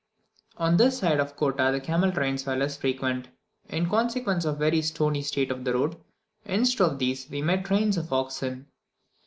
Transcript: On this side of Kottah the camel trains were less frequent, in consequence of the very stony state of the road; instead of these, we met trains of oxen.